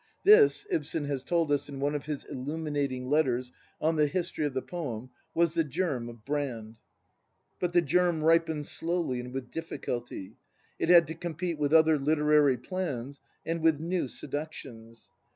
This, Ibsen has told us in one of his illuminating letters on the history of the poem, was the germ of Brand} But the germ ripened slowly and with difficulty. It had to compete with other literary plans and with new seductions.